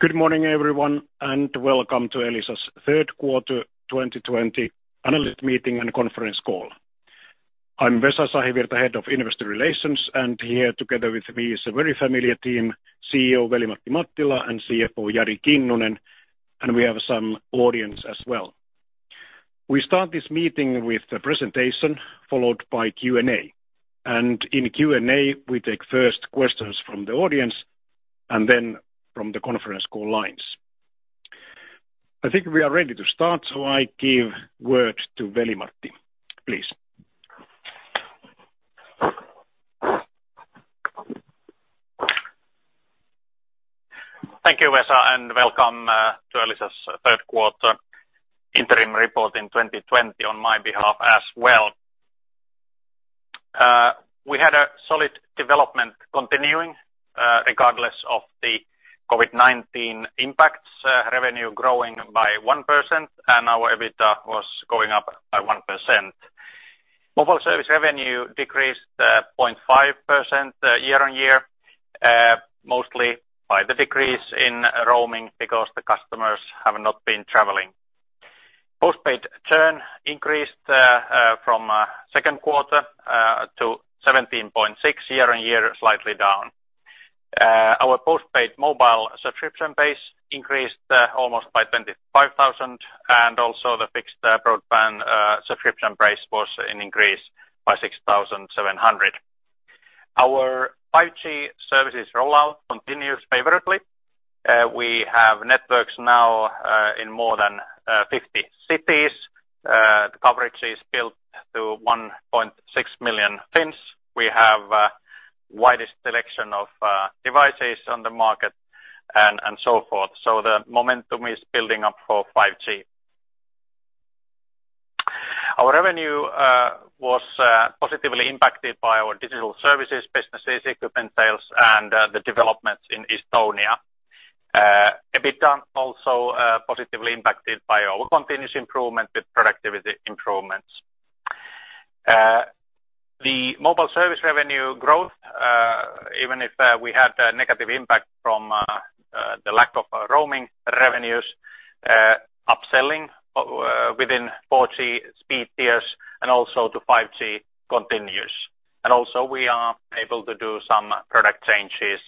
Good morning everyone, welcome to Elisa's third quarter 2020 analyst meeting and conference call. I'm Vesa Sahivirta, Head of Investor Relations, and here together with me is a very familiar team, CEO Veli-Matti Mattila and CFO Jari Kinnunen, and we have some audience as well. We start this meeting with the presentation followed by Q&A. In Q&A, we take first questions from the audience and then from the conference call lines. I think we are ready to start, so I give word to Veli-Matti, please. Thank you Vesa, welcome to Elisa's third quarter interim report in 2020 on my behalf as well. We had a solid development continuing regardless of the COVID-19 impacts, revenue growing by 1%, and our EBITDA was going up by 1%. Mobile service revenue decreased 0.5% year-on-year, mostly by the decrease in roaming because the customers have not been traveling. Postpaid churn increased from second quarter to 17.6% year-on-year, slightly down. Our postpaid mobile subscription base increased almost by 25,000, and also the fixed broadband subscription base was in increase by 6,700. Our 5G services rollout continues favorably. We have networks now in more than 50 cities. The coverage is built to 1.6 million Finns. We have the widest selection of devices on the market and so forth. The momentum is building up for 5G. Our revenue was positively impacted by our digital services businesses, equipment sales, and the developments in Estonia. EBITDA positively impacted by our continuous improvement with productivity improvements. The mobile service revenue growth, even if we had a negative impact from the lack of roaming revenues, upselling within 4G speed tiers and also to 5G continues. We are able to do some product changes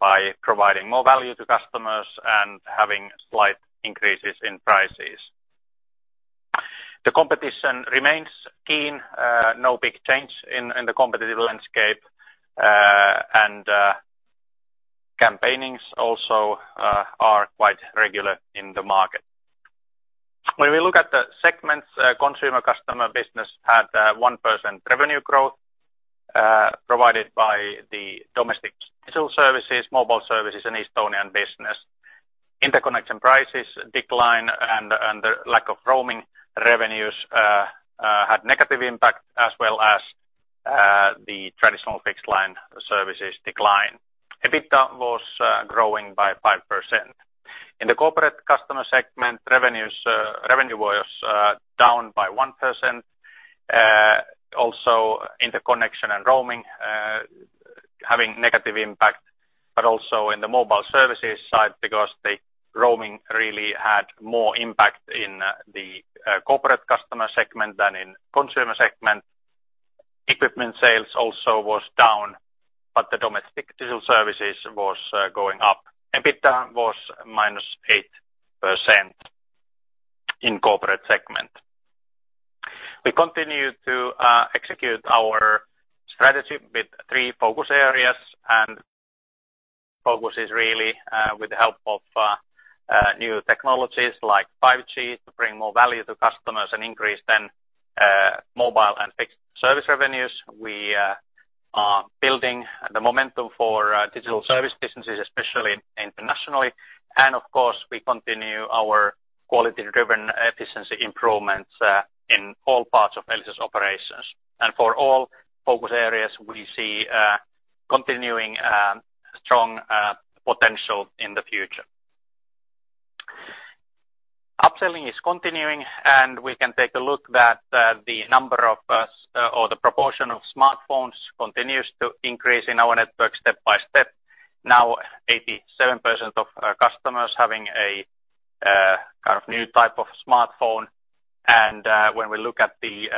by providing more value to customers and having slight increases in prices. The competition remains keen. No big change in the competitive landscape. Campaignings also are quite regular in the market. When we look at the segments, consumer customer business had 1% revenue growth provided by the domestic digital services, mobile services, and Estonian business. Interconnection prices decline and the lack of roaming revenues had negative impact as well as the traditional fixed line services decline. EBITDA was growing by 5%. In the corporate customer segment, revenue was down by 1%, also interconnection and roaming having negative impact, but also in the mobile services side because the roaming really had more impact in the corporate customer segment than in consumer segment. Equipment sales also was down, but the domestic digital services was going up. EBITDA was minus 8% in corporate segment. We continue to execute our strategy with three focus areas, and focus is really with the help of new technologies like 5G to bring more value to customers and increase then mobile and fixed service revenues. We are building the momentum for digital service businesses, especially internationally. Of course, we continue our quality-driven efficiency improvements in all parts of Elisa's operations. For all focus areas, we see continuing strong potential in the future. Upselling is continuing. We can take a look that the number of, or the proportion of smartphones continues to increase in our network step by step. Now 87% of our customers having a new type of smartphone. When we look at the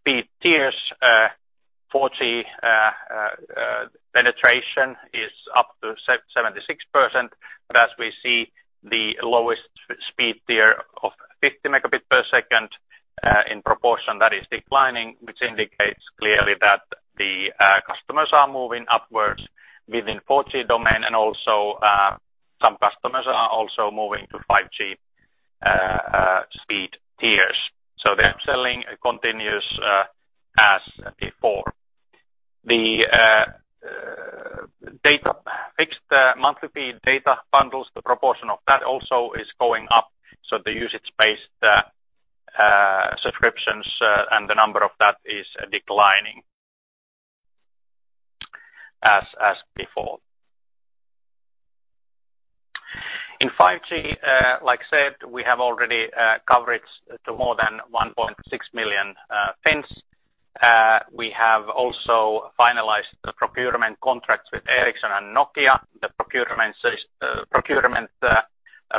speed tiers, 4G penetration is up to 76%. As we see the lowest speed tier of 50 megabits per second in proportion, that is declining, which indicates clearly that the customers are moving upwards within 4G domain, and also some customers are also moving to 5G speed tiers. The upselling continues as before. The fixed monthly fee data bundles, the proportion of that also is going up. The usage-based subscriptions and the number of that is declining as before. In 5G, like I said, we have already coverage to more than 1.6 million Finns. We have also finalized the procurement contracts with Ericsson and Nokia. The procurement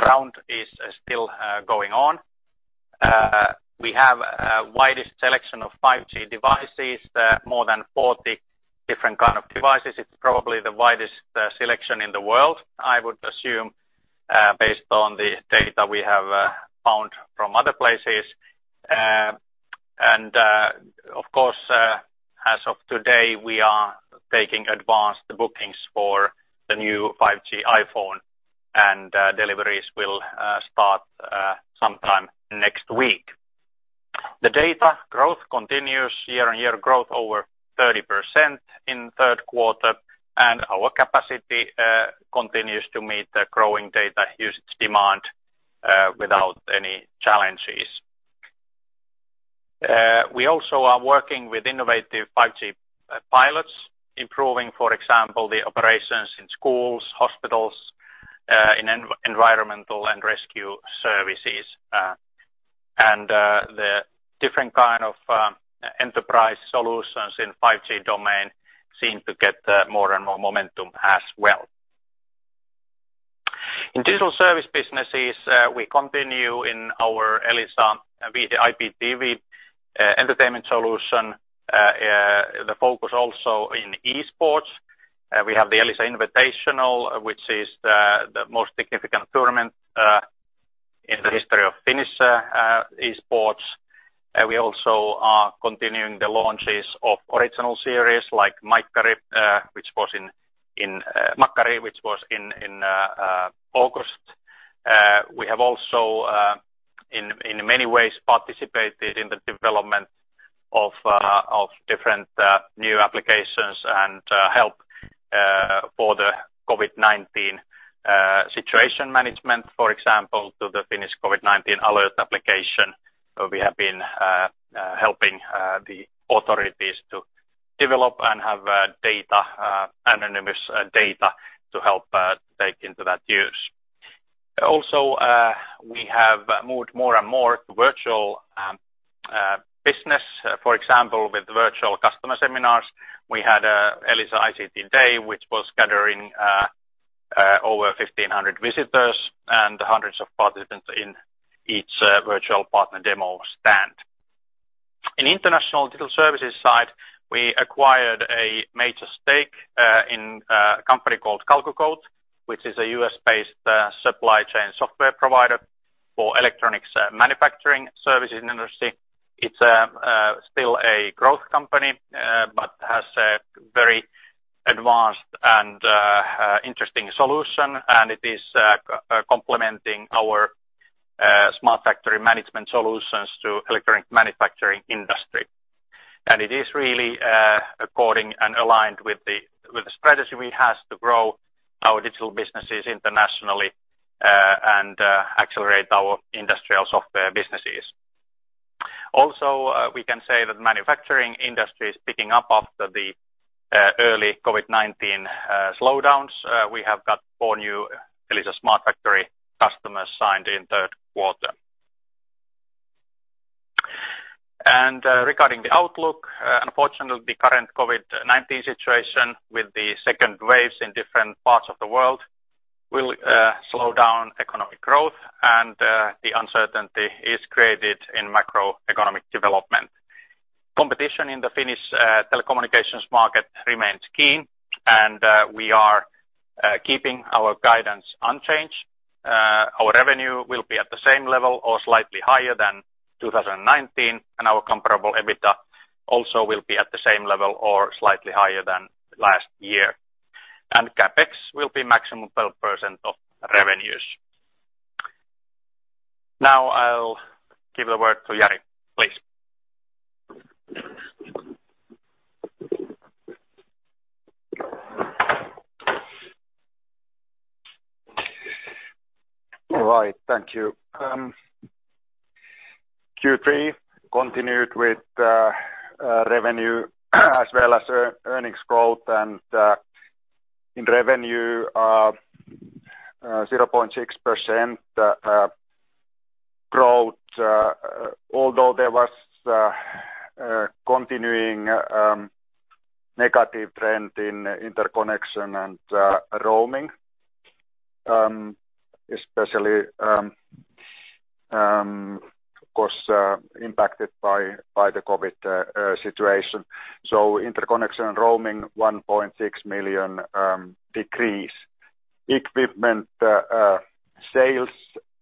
round is still going on. We have the widest selection of 5G devices, more than 40 different kind of devices. It's probably the widest selection in the world, I would assume, based on the data we have found from other places. Of course, as of today, we are taking advanced bookings for the new 5G iPhone, and deliveries will start sometime next week. The data growth continues, year-on-year growth over 30% in third quarter, and our capacity continues to meet the growing data usage demand without any challenges. We also are working with innovative 5G pilots, improving, for example, the operations in schools, hospitals, in environmental and rescue services. The different kind of enterprise solutions in 5G domain seem to get more and more momentum as well. In digital service businesses, we continue in our Elisa Viihde TV entertainment solution. The focus also in e-sports. We have the Elisa Invitational, which is the most significant tournament in the history of Finnish e-sports. We are continuing the launches of original series like "Makkari," which was in August. We have in many ways participated in the development of different new applications and help for the COVID-19 situation management, for example, to the Finnish COVID-19 alert application, where we have been helping the authorities to develop and have anonymous data to help to take into that use. We have moved more and more to virtual business. For example, with virtual customer seminars, we had Elisa ICT Day, which was gathering over 1,500 visitors and hundreds of participants in each virtual partner demo stand. In international digital services side, we acquired a major stake in a company called CalcuQuote, which is a U.S.-based supply chain software provider for electronics manufacturing services industry. It's still a growth company, but has a very advanced and interesting solution, and it is complementing our smart factory management solutions to electronic manufacturing industry. It is really according and aligned with the strategy we have to grow our digital businesses internationally, and accelerate our industrial software businesses. Also, we can say that the manufacturing industry is picking up after the early COVID-19 slowdowns. We have got four new Elisa Smart Factory customers signed in third quarter. Regarding the outlook, unfortunately, the current COVID-19 situation with the second waves in different parts of the world will slow down economic growth, and the uncertainty is created in macroeconomic development. Competition in the Finnish telecommunications market remains keen, we are keeping our guidance unchanged. Our revenue will be at the same level or slightly higher than 2019, our comparable EBITDA also will be at the same level or slightly higher than last year. CapEx will be maximum 12% of revenues. Now I'll give the word to Jari, please. All right. Thank you. Q3 continued with revenue as well as earnings growth. In revenue, 0.6% growth. Although there was continuing negative trend in interconnection and roaming, especially, of course, impacted by the COVID-19 situation. Interconnection and roaming, 1.6 million decrease. Equipment sales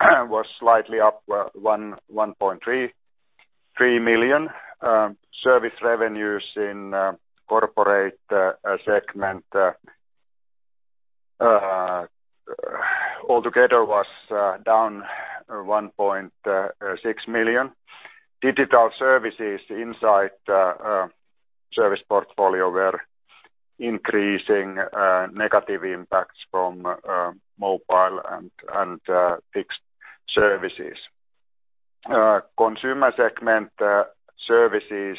was slightly up 1.3 million. Service revenues in corporate segment altogether was down 1.6 million. Digital services inside service portfolio were increasing negative impacts from mobile and fixed services. Consumer segment service is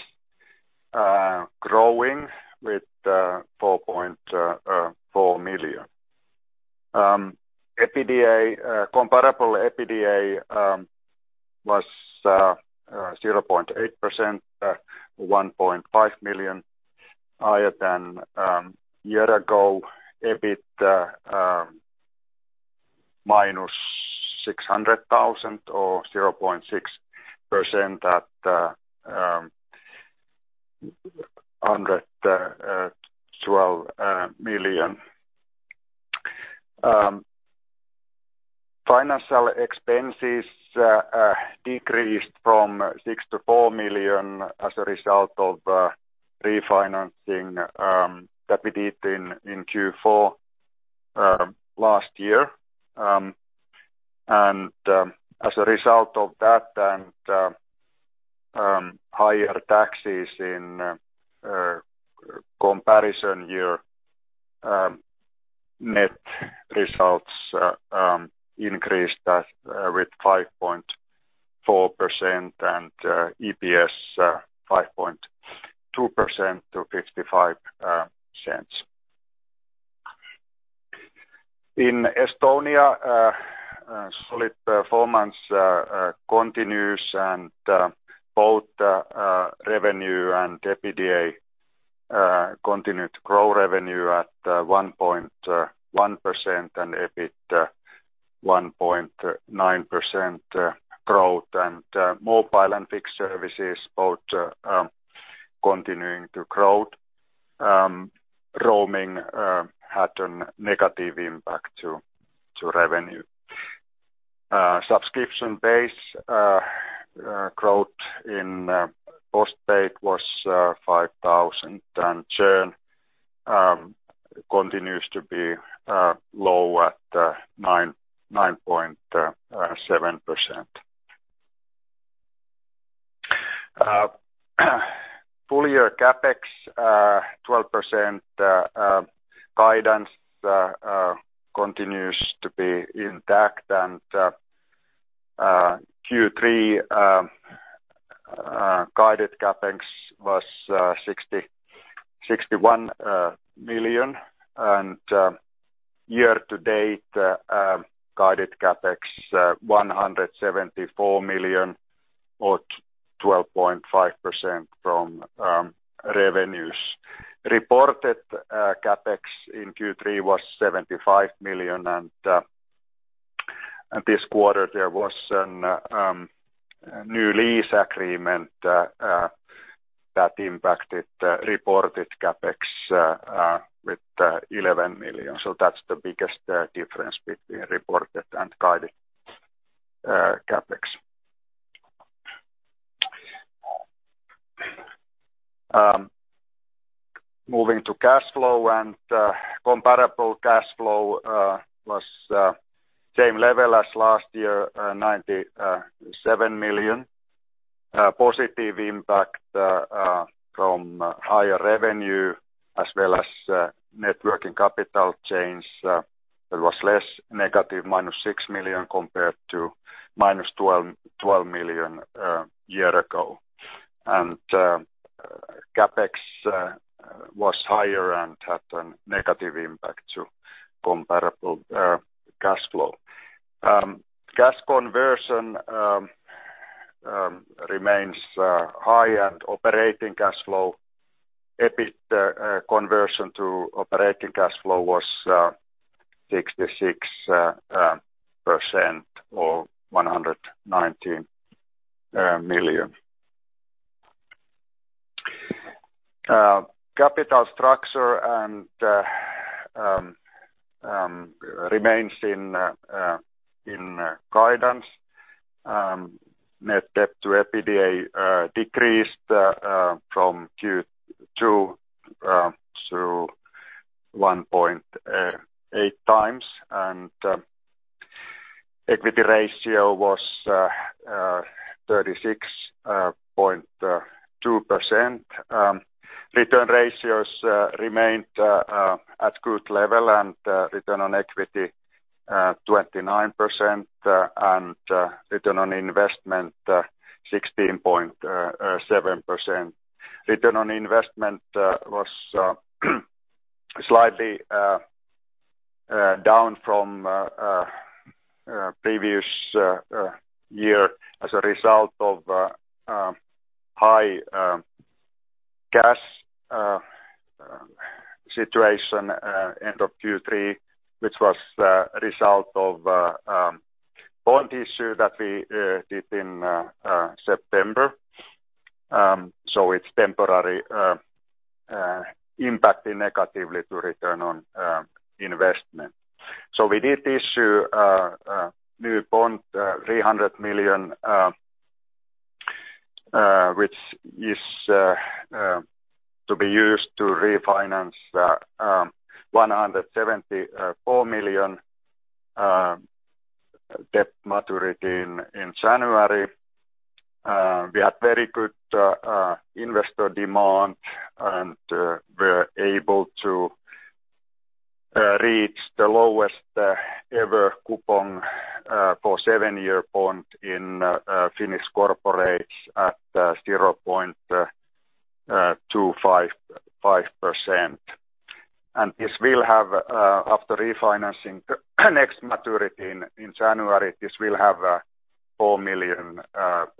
growing with 4.4 million. Comparable EBITDA was 0.8%, 1.5 million higher than a year ago. EBITDA, -600,000 or 0.6% at 112 million. Financial expenses decreased from 6 million to 4 million as a result of refinancing that we did in Q4 last year. As a result of that and higher taxes in comparison year, net results increased with 5.4% and EPS 5.2% to 0.55. In Estonia, solid performance continues and both revenue and EBITDA continued to grow revenue at 1.1% and EBIT 1.9% growth. Mobile and fixed services both continuing to grow. Roaming had a negative impact to revenue. Subscription base growth in postpaid was 5,000, and churn continues to be low at 9.7%. Full year CapEx, 12% guidance continues to be intact. Q3 guided CapEx was 61 million. Year to date, guided CapEx 174 million or 12.5% from revenues. Reported CapEx in Q3 was 75 million, and this quarter there was a new lease agreement that impacted reported CapEx with 11 million. That's the biggest difference between reported and guided CapEx. Moving to cash flow, and comparable cash flow was same level as last year, 97 million. Positive impact from higher revenue as well as networking capital change that was less negative, -6 million compared to -12 million a year ago. CapEx was higher and had a negative impact to comparable cash flow. Cash conversion remains high and operating cash flow, EBIT conversion to operating cash flow was 66% or 119 million. Capital structure remains in guidance. Net debt to EBITDA decreased from Q2 to 1.8x, and equity ratio was 36.2%. Return ratios remained at good level and return on equity 29%, and return on investment 16.7%. Return on investment was slightly down from previous year as a result of high cash situation end of Q3, which was a result of a bond issue that we did in September. It's temporary impacting negatively to return on investment. We did issue a new bond, 300 million, which is to be used to refinance 174 million debt maturity in January. We had very good investor demand, and we're able to reach the lowest ever coupon for 7-year bond in Finnish corporates at 0.255%. This will have, after refinancing the next maturity in January, this will have 4 million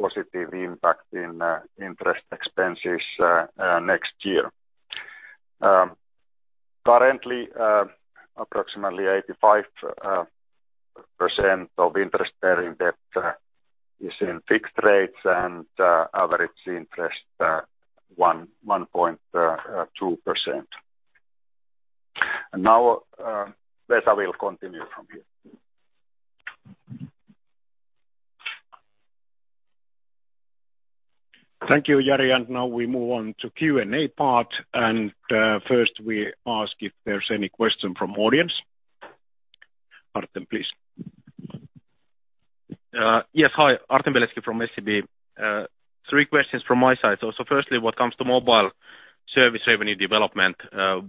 positive impact in interest expenses next year. Currently, approximately 85% of interest-bearing debt is in fixed rates and average interest 1.2%. Vesa will continue from here. Thank you Jari. Now we move on to Q&A part, and first we ask if there's any question from audience. Artem, please. Yes. Hi. Artem Beletski from SEB. Three questions from my side. Firstly, what comes to mobile service revenue development,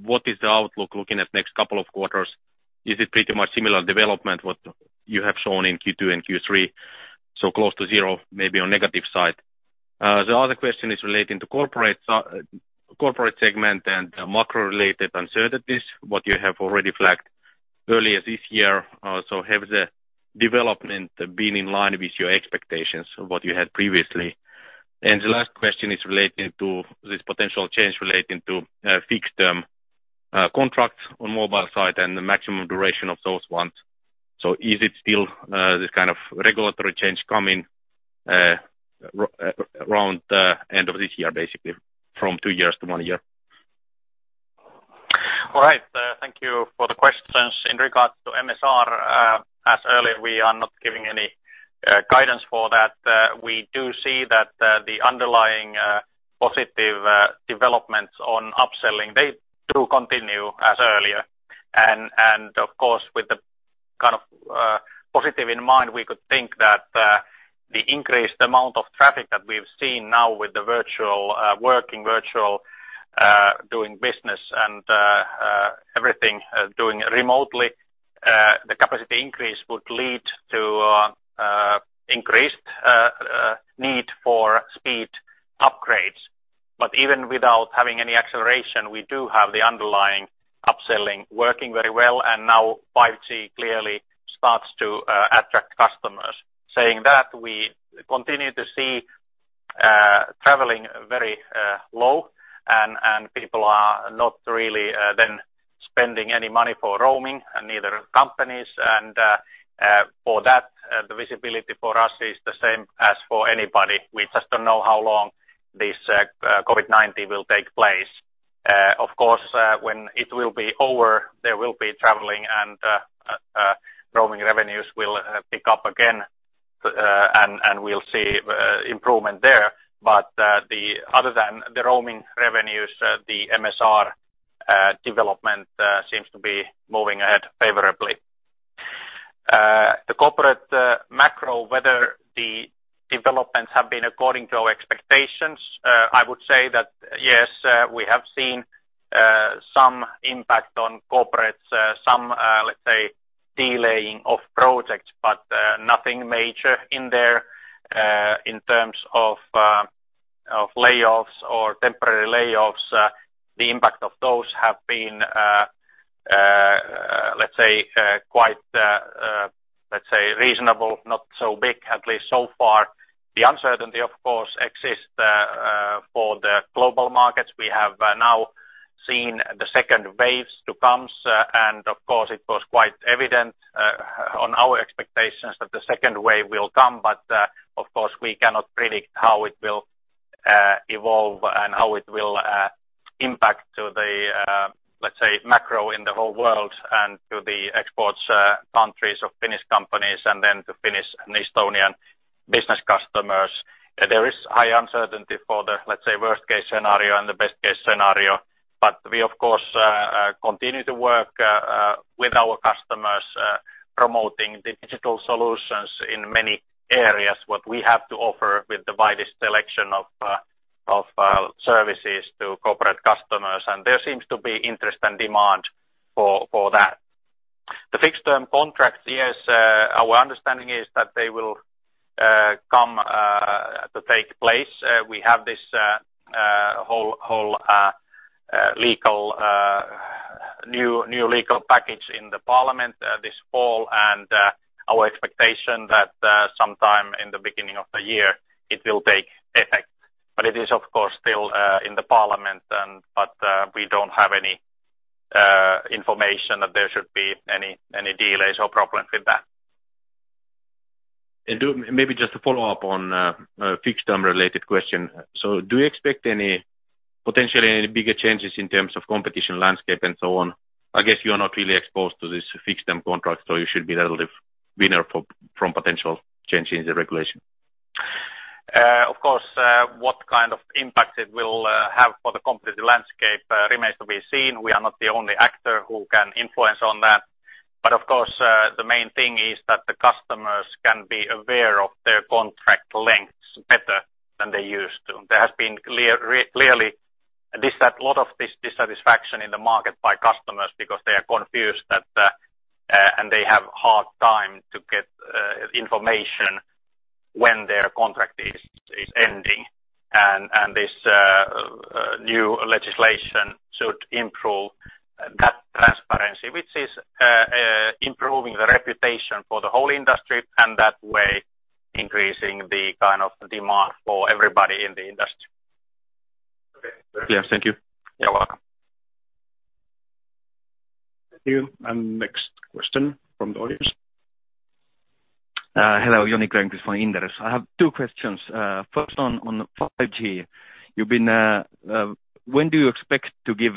what is the outlook looking at next couple of quarters? Is it pretty much similar development what you have shown in Q2 and Q3? Close to zero, maybe on negative side. The other question is relating to corporate segment and macro-related uncertainties, what you have already flagged earlier this year. Have the development been in line with your expectations of what you had previously? The last question is relating to this potential change relating to fixed-term contracts on mobile side and the maximum duration of those ones. Is it still this kind of regulatory change coming around the end of this year, basically from two years to one year? All right. Thank you for the questions in regards to MSR. As earlier, we are not giving any guidance for that. We do see that the underlying positive developments on upselling, they do continue as earlier. Of course, with the kind of positive in mind, we could think that the increased amount of traffic that we've seen now with the virtual working, virtual doing business and everything doing remotely, the capacity increase would lead to increased need for speed upgrades. Even without having any acceleration, we do have the underlying upselling working very well. Now 5G clearly starts to attract customers. Saying that, we continue to see traveling very low, and people are not really then spending any money for roaming and neither are companies. For that, the visibility for us is the same as for anybody. We just don't know how long this COVID-19 will take place. When it will be over, there will be traveling and roaming revenues will pick up again, and we'll see improvement there. Other than the roaming revenues, the MSR development seems to be moving ahead favorably. The corporate macro, whether the developments have been according to our expectations, I would say that yes, we have seen some impact on corporates, some, let's say, delaying of projects, but nothing major in there. In terms of layoffs or temporary layoffs, the impact of those have been, let's say reasonable, not so big, at least so far. The uncertainty, of course, exists for the global markets. We have now seen the second waves to come, and of course it was quite evident on our expectations that the second wave will come. Of course, we cannot predict how it will evolve and how it will impact to the, let's say, macro in the whole world and to the exports countries of Finnish companies, and then to Finnish and Estonian business customers. There is high uncertainty for the, let's say, worst case scenario and the best case scenario. We, of course, continue to work with our customers, promoting digital solutions in many areas, what we have to offer with the widest selection of services to corporate customers. There seems to be interest and demand for that. The fixed-term contracts, yes, our understanding is that they will come to take place. We have this whole new legal package in the parliament this fall, and our expectation that sometime in the beginning of the year it will take effect. It is, of course, still in the parliament, but we don't have any information that there should be any delays or problems with that. Maybe just to follow up on fixed-term related question. Do you expect potentially any bigger changes in terms of competition landscape and so on? I guess you are not really exposed to this fixed-term contract, so you should be relative winner from potential change in the regulation. Of course, what kind of impact it will have for the competitive landscape remains to be seen. We are not the only actor who can influence on that. Of course, the main thing is that the customers can be aware of their contract lengths better. There has been clearly a lot of this dissatisfaction in the market by customers because they are confused, and they have hard time to get information when their contract is ending. This new legislation should improve that transparency, which is improving the reputation for the whole industry, and that way increasing the demand for everybody in the industry. Yes. Thank you. You're welcome. Thank you. Next question from the audience. Hello, Joni Grönqvist from Inderes. I have two questions. First on 5G. When do you expect to give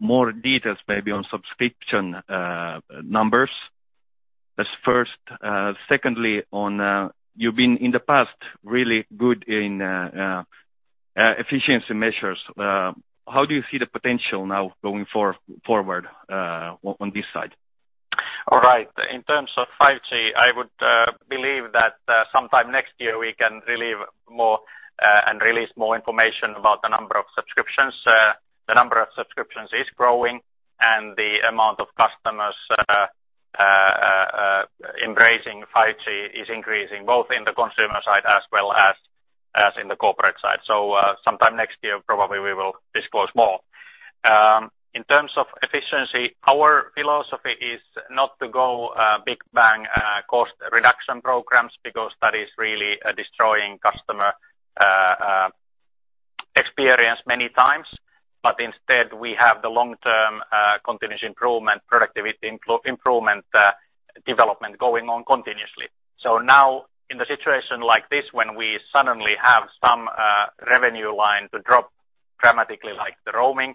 more details maybe on subscription numbers? That's first. Secondly, you've been, in the past, really good in efficiency measures. How do you see the potential now going forward on this side? All right. In terms of 5G, I would believe that sometime next year, we can release more and release more information about the number of subscriptions. The number of subscriptions is growing and the amount of customers embracing 5G is increasing, both in the consumer side as well as in the corporate side. Sometime next year, probably we will disclose more. In terms of efficiency, our philosophy is not to go big bang cost reduction programs because that is really destroying customer experience many times. Instead, we have the long-term continuous improvement, productivity improvement development going on continuously. Now in the situation like this, when we suddenly have some revenue line to drop dramatically like the roaming,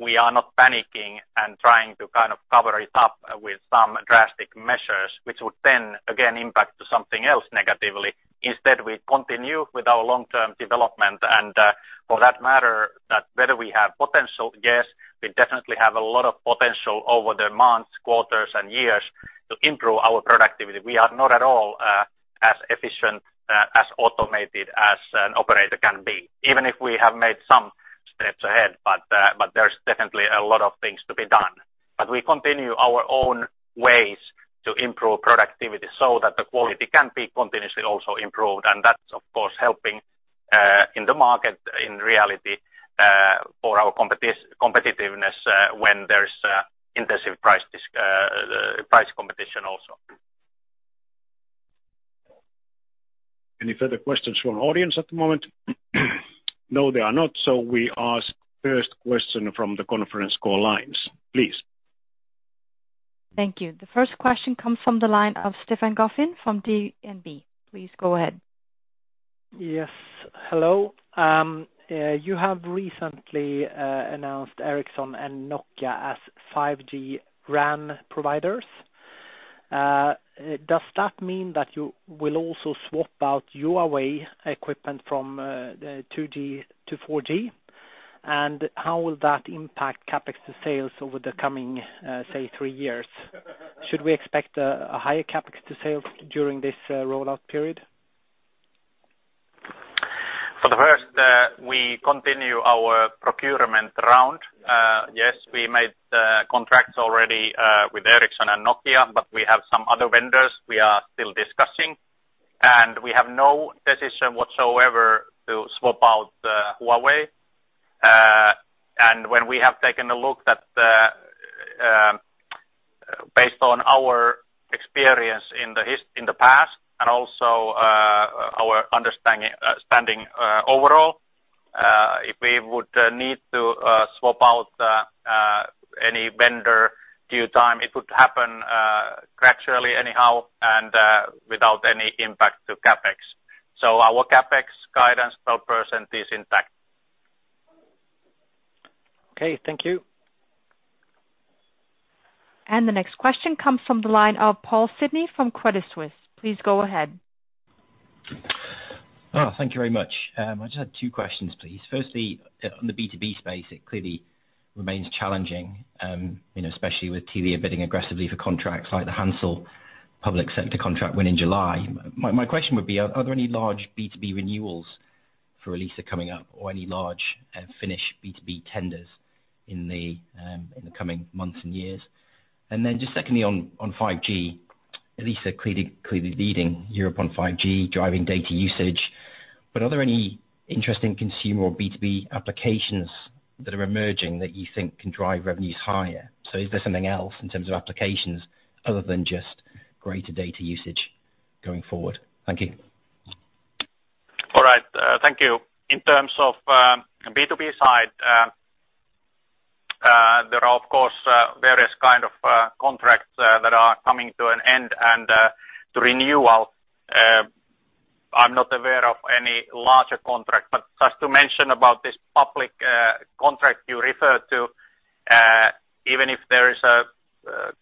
we are not panicking and trying to cover it up with some drastic measures, which would then again impact to something else negatively. Instead, we continue with our long-term development, and for that matter that whether we have potential, yes, we definitely have a lot of potential over the months, quarters, and years to improve our productivity. We are not at all as efficient, as automated as an operator can be, even if we have made some steps ahead, but there's definitely a lot of things to be done. We continue our own ways to improve productivity so that the quality can be continuously also improved. That's of course helping in the market in reality for our competitiveness when there's intensive price competition also. Any further questions from audience at the moment? No, there are not. We ask first question from the conference call lines, please. Thank you. The first question comes from the line of Stefan Gauffin from DNB. Please go ahead. Yes. Hello. You have recently announced Ericsson and Nokia as 5G RAN providers. Does that mean that you will also swap out Huawei equipment from 2G to 4G? How will that impact CapEx to sales over the coming, say, three years? Should we expect a higher CapEx to sales during this rollout period? For the first, we continue our procurement round. Yes, we made contracts already with Ericsson and Nokia, but we have some other vendors we are still discussing, and we have no decision whatsoever to swap out Huawei. When we have taken a look based on our experience in the past and also our understanding overall, if we would need to swap out any vendor due time, it would happen gradually anyhow and without any impact to CapEx. Our CapEx guidance, 12%, is intact. Okay. Thank you. The next question comes from the line of Paul Sidney from Credit Suisse. Please go ahead. Thank you very much. I just had two questions, please. Firstly, on the B2B space, it clearly remains challenging, especially with Telia bidding aggressively for contracts like the Hansel public sector contract win in July. My question would be, are there any large B2B renewals for Elisa coming up or any large Finnish B2B tenders in the coming months and years? Secondly, on 5G, Elisa clearly leading Europe on 5G, driving data usage. Are there any interesting consumer or B2B applications that are emerging that you think can drive revenues higher? Is there something else in terms of applications other than just greater data usage going forward? Thank you. All right. Thank you. In terms of B2B side, there are of course, various kind of contracts that are coming to an end and to renewal. I'm not aware of any larger contract, but just to mention about this public contract you referred to, even if there is a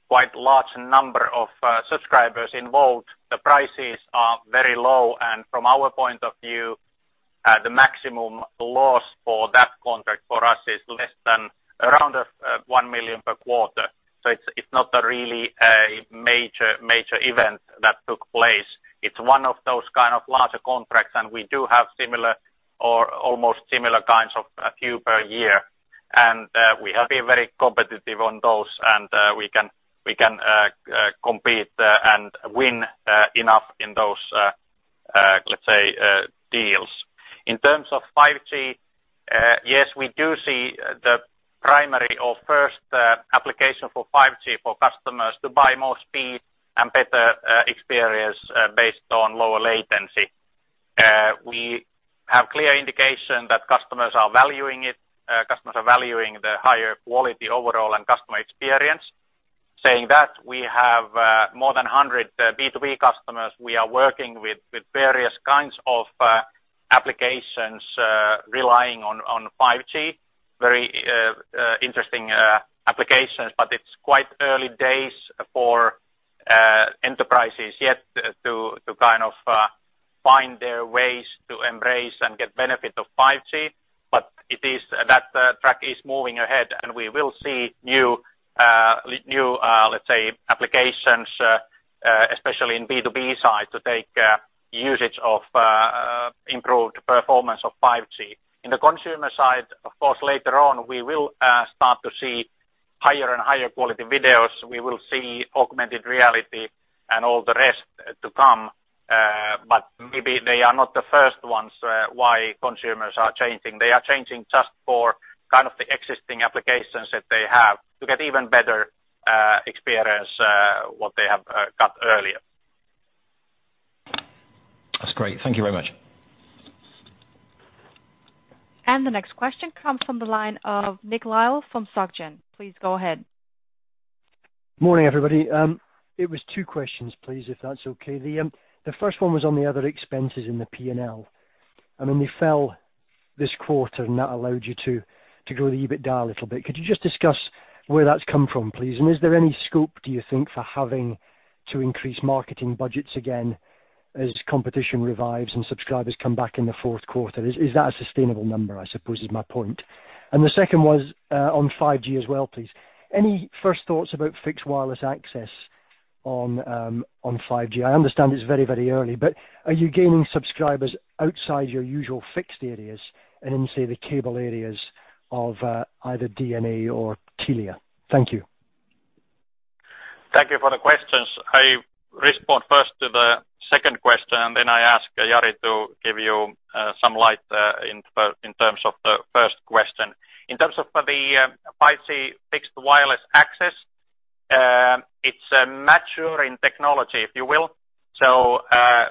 quite large number of subscribers involved, the prices are very low, and from our point of view, the maximum loss for that contract for us is less than 1 million per quarter. It's not a really major event that took place. It's one of those kind of larger contracts, and we do have similar or almost similar kinds of a few per year. We have been very competitive on those and we can compete and win enough in those, let's say, deals. In terms of 5G, yes, we do see the primary or first application for 5G for customers to buy more speed and better experience based on lower latency. We have clear indication that customers are valuing it. Customers are valuing the higher quality overall and customer experience. Saying that, we have more than 100 B2B customers we are working with various kinds of applications relying on 5G. Very interesting applications, it's quite early days for enterprises yet to kind of find their ways to embrace and get benefit of 5G. That track is moving ahead and we will see new, let's say, applications, especially in B2B side, to take usage of improved performance of 5G. In the consumer side, of course, later on, we will start to see higher and higher quality videos. We will see augmented reality and all the rest to come. Maybe they are not the first ones why consumers are changing. They are changing just for kind of the existing applications that they have to get even better experience, what they have got earlier. That's great. Thank you very much. The next question comes from the line of Nick Lyall from SocGen. Please go ahead. Morning, everybody. It was two questions, please, if that's okay. The first one was on the other expenses in the P&L, when they fell this quarter and that allowed you to grow the EBITDA a little bit. Could you just discuss where that's come from, please? Is there any scope, do you think, for having to increase marketing budgets again as competition revives and subscribers come back in the fourth quarter? Is that a sustainable number, I suppose, is my point. The second was on 5G as well, please. Any first thoughts about fixed wireless access on 5G? I understand it's very early, but are you gaining subscribers outside your usual fixed areas and in, say, the cable areas of either DNA or Telia? Thank you. Thank you for the questions. I respond first to the second question. I ask Jari to give you some light in terms of the first question. In terms of the 5G fixed wireless access, it's mature in technology, if you will.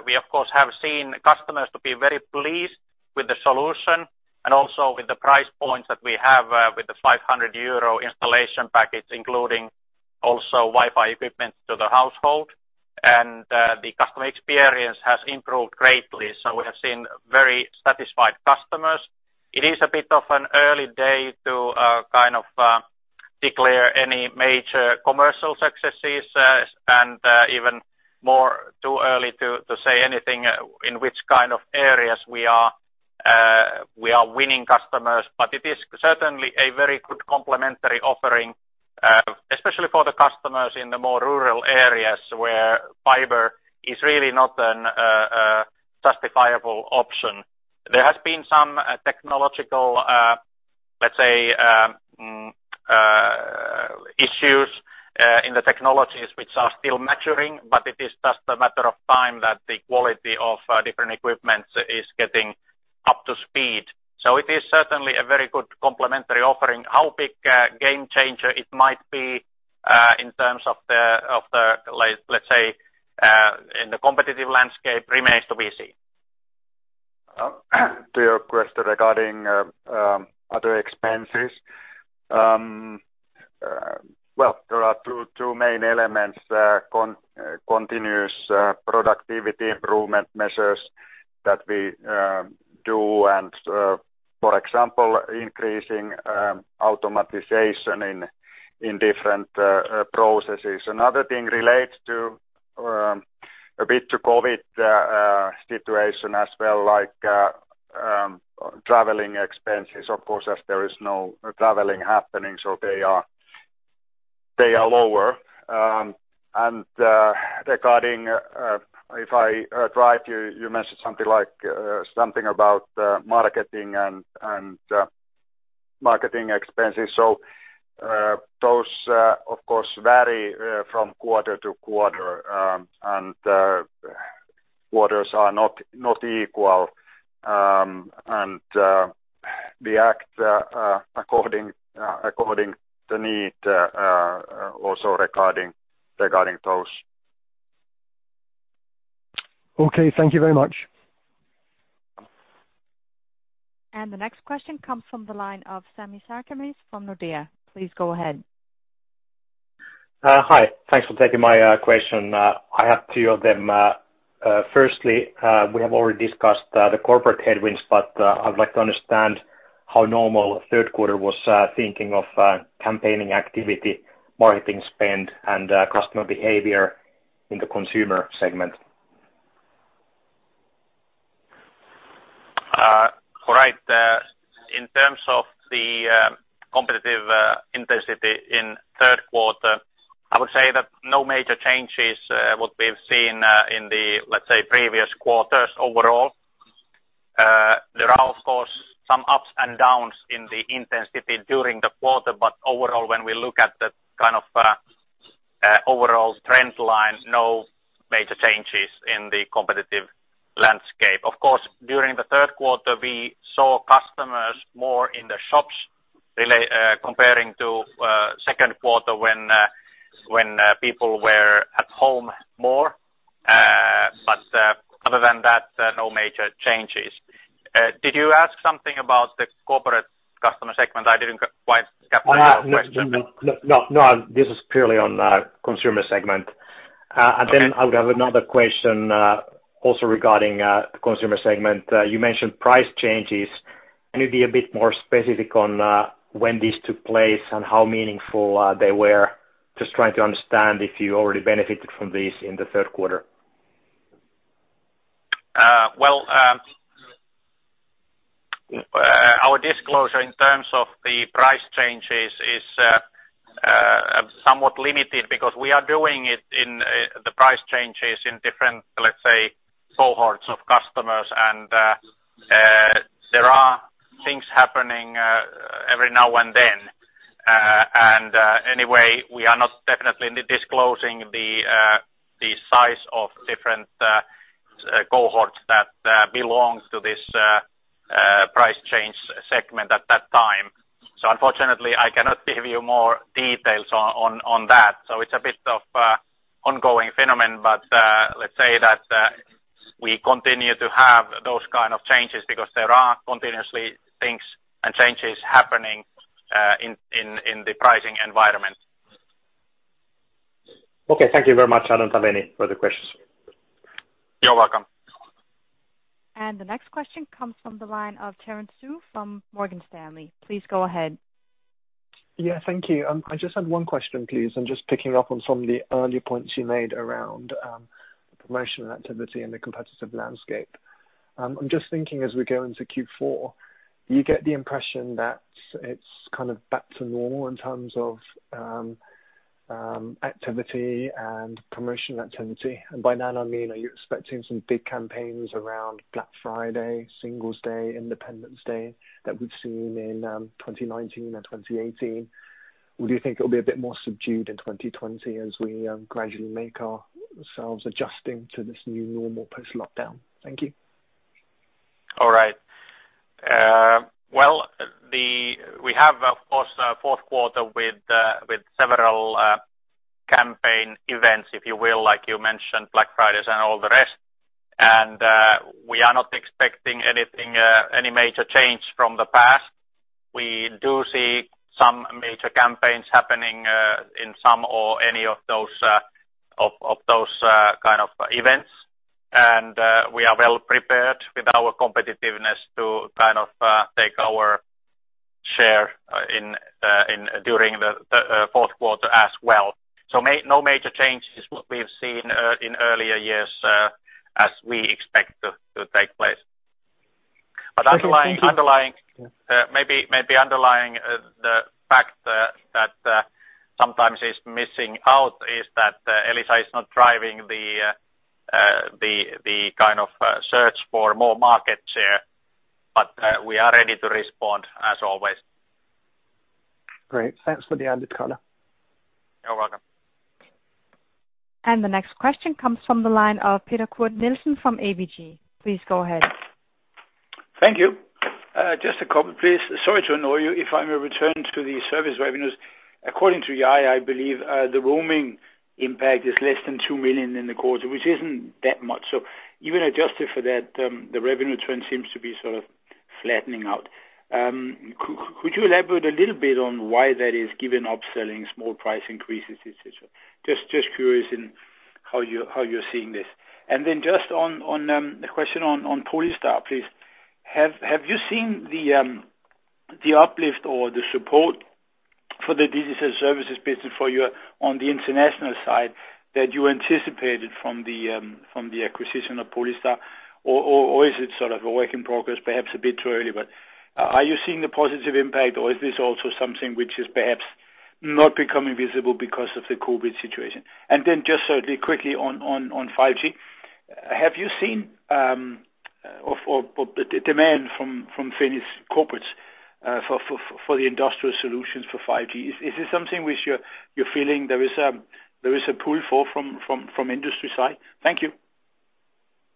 We of course have seen customers to be very pleased with the solution and also with the price points that we have with the 500 euro installation package, including also Wi-Fi equipment to the household. The customer experience has improved greatly. We have seen very satisfied customers. It is a bit of an early day to kind of declare any major commercial successes, and even more too early to say anything in which kind of areas we are winning customers. It is certainly a very good complementary offering, especially for the customers in the more rural areas where fiber is really not an justifiable option. There has been some technological, let's say, issues in the technologies which are still maturing, but it is just a matter of time that the quality of different equipments is getting up to speed. It is certainly a very good complementary offering. How big a game changer it might be in terms of the, let's say, in the competitive landscape remains to be seen. To your question regarding other expenses. Well, there are two main elements, continuous productivity improvement measures that we do, and for example, increasing automatization in different processes. Another thing relates a bit to COVID situation as well, like traveling expenses. Of course, as there is no traveling happening, so they are lower. Regarding, if I heard right, you mentioned something about marketing and marketing expenses. Those, of course, vary from quarter to quarter. Quarters are not equal. We act according to need, also regarding those. Okay. Thank you very much. The next question comes from the line of Sami Sarkamies from Nordea. Please go ahead. Hi. Thanks for taking my question. I have two of them. Firstly, we have already discussed the corporate headwinds, but I would like to understand how normal third quarter was thinking of campaigning activity, marketing spend, and customer behavior in the consumer segment. All right. In terms of the competitive intensity in the third quarter, I would say that no major changes, what we've seen in the, let's say, previous quarters overall. There are, of course, some ups and downs in the intensity during the quarter, but overall, when we look at the overall trend line, no major changes in the competitive landscape. Of course, during the third quarter, we saw customers more in the shops comparing to second quarter when people were at home more. Other than that, no major changes. Did you ask something about the corporate customer segment? I didn't quite get your question. No, this is purely on consumer segment. Okay. I would have another question also regarding consumer segment. You mentioned price changes. Can you be a bit more specific on when these took place and how meaningful they were? Just trying to understand if you already benefited from this in the third quarter. Well, our disclosure in terms of the price changes is somewhat limited because we are doing it in the price changes in different, let's say, cohorts of customers. There are things happening every now and then. Anyway, we are not definitely disclosing the size of different cohorts that belongs to this price change segment at that time. Unfortunately, I cannot give you more details on that. It's a bit of ongoing phenomenon. Let's say that we continue to have those kind of changes because there are continuously things and changes happening in the pricing environment. Okay, thank you very much. I don't have any further questions. You're welcome. The next question comes from the line of Terence Tsui from Morgan Stanley. Please go ahead. Yeah, thank you. I just had one question, please, and just picking up on some of the earlier points you made around promotional activity in the competitive landscape. I'm just thinking as we go into Q4, you get the impression that it's kind of back to normal in terms of activity and promotional activity. By that I mean, are you expecting some big campaigns around Black Friday, Singles Day, Independence Day that we've seen in 2019 and 2018? Do you think it'll be a bit more subdued in 2020 as we gradually make ourselves adjusting to this new normal post-lockdown? Thank you. All right. Well, we have, of course, fourth quarter with several campaign events, if you will, like you mentioned Black Fridays and all the rest. We are not expecting any major change from the past. We do see some major campaigns happening in some or any of those kind of events. We are well prepared with our competitiveness to kind of take our share during the fourth quarter as well. No major changes what we've seen in earlier years as we expect to take place. Okay. Thank you. Maybe underlying the fact that sometimes is missing out is that Elisa is not driving the kind of search for more market share, but we are ready to respond as always. Great. Thanks for the added color. You're welcome. The next question comes from the line of Peter Kurt Nielsen from ABG. Please go ahead. Thank you. Just a comment, please. Sorry to annoy you if I may return to the service revenues. According to you, I believe the roaming impact is less than 2 million in the quarter, which isn't that much. Even adjusted for that, the revenue trend seems to be sort of flattening out. Could you elaborate a little bit on why that is given upselling small price increases, etc.? Just curious in how you're seeing this. Just on the question on Polystar, please. Have you seen the uplift or the support for the digital services business for you on the international side that you anticipated from the acquisition of Polystar? Is it sort of a work in progress? Perhaps a bit too early, but are you seeing the positive impact or is this also something which is perhaps not becoming visible because of the COVID-19 situation? Then just certainly quickly on 5G. Have you seen demand from Finnish corporates for the industrial solutions for 5G? Is this something which you're feeling there is a pull from industry side? Thank you.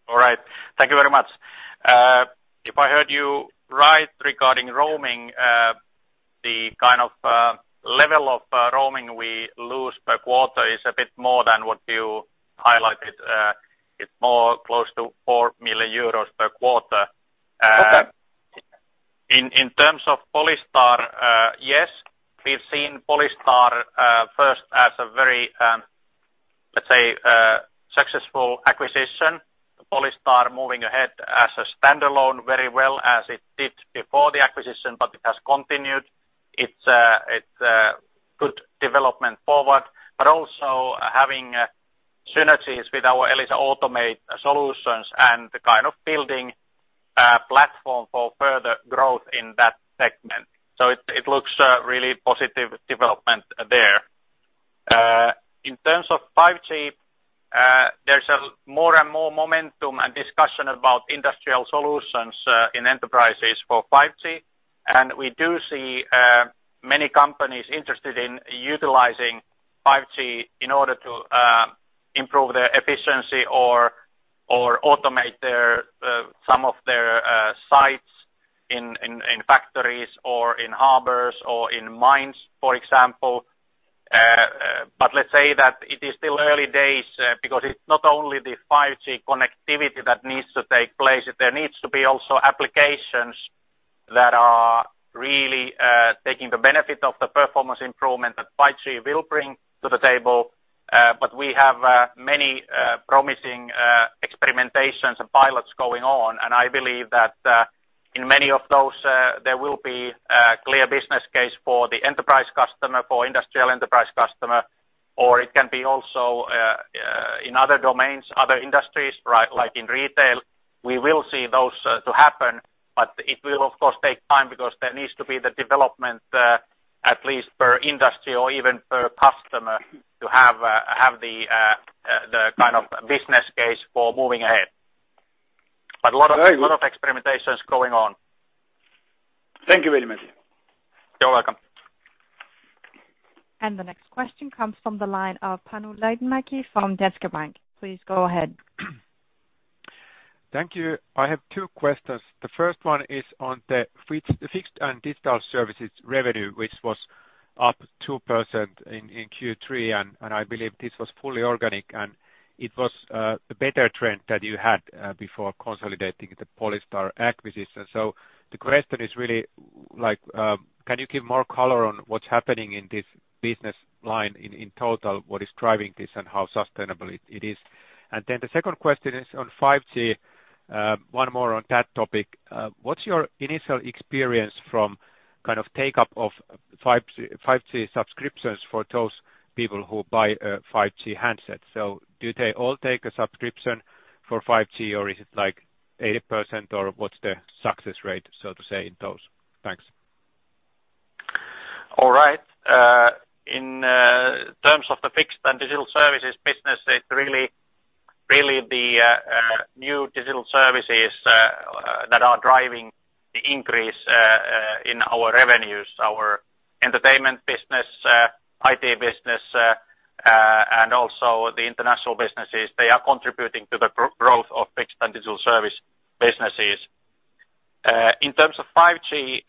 All right. Thank you very much. If I heard you right regarding roaming, the kind of level of roaming we lose per quarter is a bit more than what you highlighted. It is more close to 4 million euros per quarter. Okay. In terms of Polystar, yes. We've seen Polystar first as a very, let's say, successful acquisition. Polystar moving ahead as a standalone very well as it did before the acquisition, but it has continued its development forward, but also having synergies with our Elisa Automate solutions and building a platform for further growth in that segment. It looks like a really positive development there. In terms of 5G, there's more and more momentum and discussion about industrial solutions in enterprises for 5G, and we do see many companies interested in utilizing 5G in order to improve their efficiency or automate some of their sites in factories or in harbors or in mines, for example. Let's say that it is still early days, because it's not only the 5G connectivity that needs to take place. There needs to be also applications that are really taking the benefit of the performance improvement that 5G will bring to the table. We have many promising experimentations and pilots going on, and I believe that in many of those, there will be a clear business case for the enterprise customer, for industrial enterprise customer, or it can be also in other domains, other industries, like in retail. We will see those to happen, but it will, of course, take time because there needs to be the development, at least per industry or even per customer to have the kind of business case for moving ahead. Very good. A lot of experimentations going on. Thank you very much. You're welcome. The next question comes from the line of Panu Laitinmäki from Danske Bank. Please go ahead. Thank you. I have two questions. The first one is on the fixed and digital services revenue, which was up 2% in Q3, and I believe this was fully organic, and it was a better trend that you had before consolidating the Polystar acquisition. The question is really, can you give more color on what's happening in this business line in total? What is driving this, and how sustainable it is? The second question is on 5G, one more on that topic. What's your initial experience from take-up of 5G subscriptions for those people who buy 5G handsets? Do they all take a subscription for 5G, or is it like 80%, or what's the success rate, so to say, in those? Thanks. All right. In terms of the fixed and digital services business, it's really the new digital services that are driving the increase in our revenues. Our entertainment business, IT business, and also the international businesses, they are contributing to the growth of fixed and digital service businesses. In terms of 5G,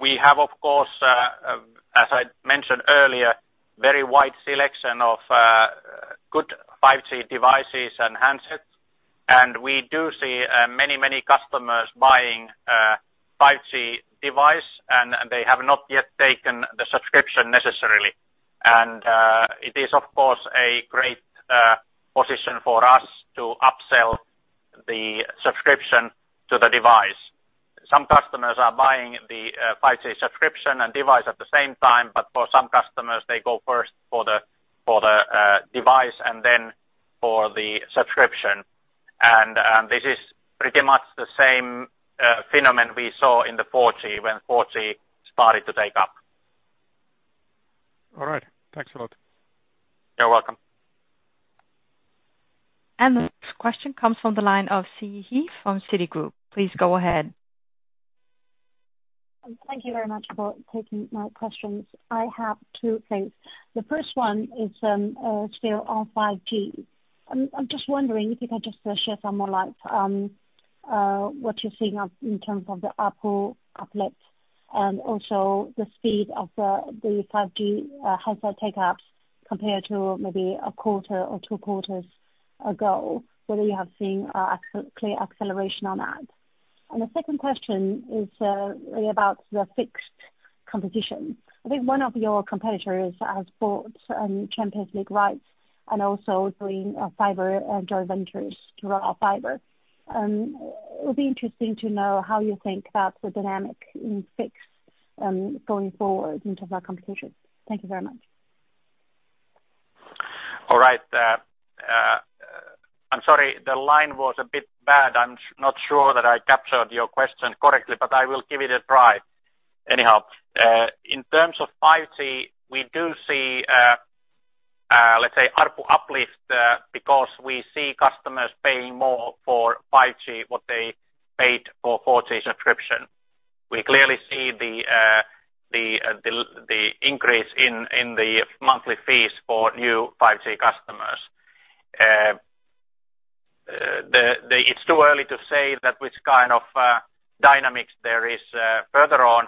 we have, of course, as I mentioned earlier, very wide selection of good 5G devices and handsets. We do see many customers buying 5G device, and they have not yet taken the subscription necessarily. It is, of course, a great position for us to upsell the subscription to the device. Some customers are buying the 5G subscription and device at the same time, but for some customers, they go first for the device and then for the subscription. This is pretty much the same phenomenon we saw in the 4G when 4G started to take up. All right. Thanks a lot. You're welcome. The next question comes from the line of Siyi He from Citigroup. Please go ahead. Thank you very much for taking my questions. I have two things. The first one is still on 5G. I'm just wondering if you can just shed some more light on what you're seeing in terms of the ARPU uplift, and also the speed of the 5G handset take-ups compared to maybe a quarter or two quarters ago, whether you have seen a clear acceleration on that. The second question is really about the fixed competition. I think one of your competitors has bought Champions League rights and also doing fiber joint ventures to roll out fiber. It would be interesting to know how you think that's a dynamic in fixed, going forward in terms of competition. Thank you very much. All right. I'm sorry, the line was a bit bad. I'm not sure that I captured your question correctly, but I will give it a try anyhow. In terms of 5G, we do see, let's say, ARPU uplift because we see customers paying more for 5G, what they paid for 4G subscription. We clearly see the increase in the monthly fees for new 5G customers. It's too early to say that which kind of dynamics there is further on.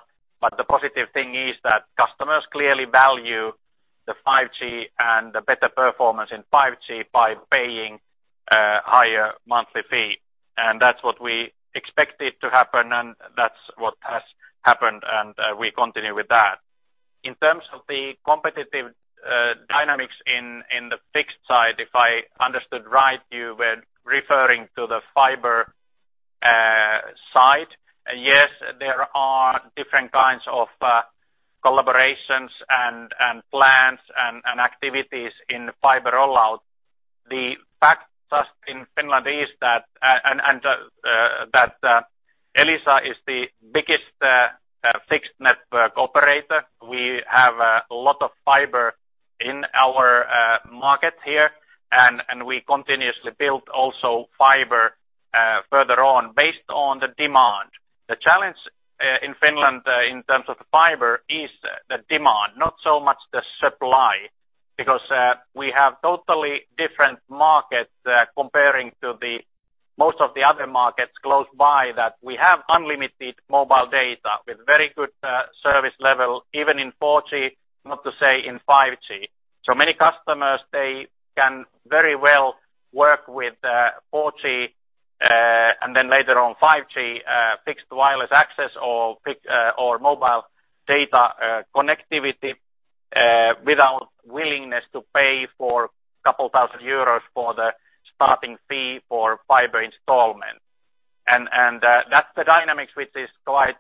The positive thing is that customers clearly value the 5G and the better performance in 5G by paying higher monthly fee. That's what we expected to happen, and that's what has happened, and we continue with that. In terms of the competitive dynamics in the fixed side, if I understood right, you were referring to the fiber? Yes, there are different kinds of collaborations, plans, and activities in fiber rollout. The fact just in Finland is that Elisa is the biggest fixed network operator. We have a lot of fiber in our market here. We continuously build also fiber further on based on the demand. The challenge in Finland in terms of fiber is the demand, not so much the supply, because we have totally different markets, comparing to the most of the other markets close by, that we have unlimited mobile data with very good service level, even in 4G, not to say in 5G. Many customers, they can very well work with 4G, and then later on 5G, fixed wireless access or mobile data connectivity, without willingness to pay for couple thousand EUR for the starting fee for fiber installment. That's the dynamics which is quite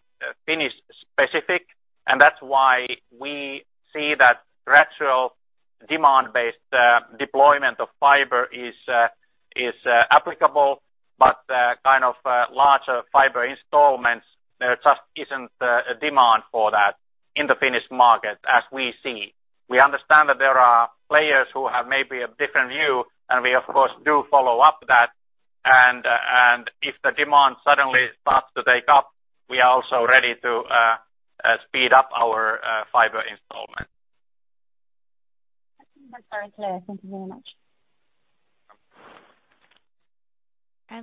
Finnish specific, and that's why we see that gradual demand-based deployment of fiber is applicable, but larger fiber installments, there just isn't a demand for that in the Finnish market as we see. We understand that there are players who have maybe a different view, and we of course, do follow up that. If the demand suddenly starts to take up, we are also ready to speed up our fiber installment. That's very clear. Thank you very much.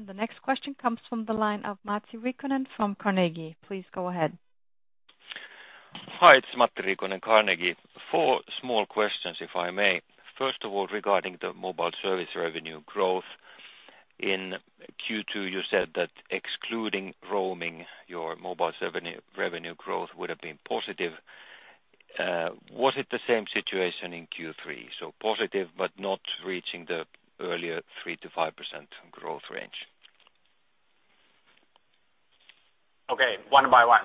The next question comes from the line of Matti Riikonen from Carnegie. Please go ahead. Hi, it's Matti Riikonen, Carnegie. Four small questions, if I may. First of all, regarding the mobile service revenue growth. In Q2, you said that excluding roaming, your mobile service revenue growth would have been positive. Was it the same situation in Q3, so positive but not reaching the earlier 3%-5% growth range? Okay. One by one.